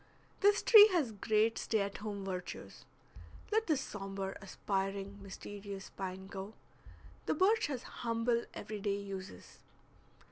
This tree has great stay at home virtues. Let the sombre, aspiring, mysterious pine go; the birch has humble every day uses.